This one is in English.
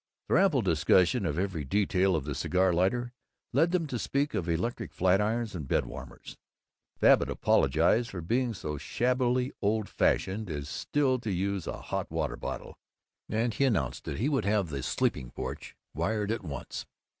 Their ample discussion of every detail of the cigar lighter led them to speak of electric flat irons and bed warmers. Babbitt apologized for being so shabbily old fashioned as still to use a hot water bottle, and he announced that he would have the sleeping porch wired at once.